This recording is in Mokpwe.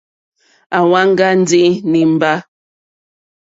À wáŋɡà ndí nǐmbà.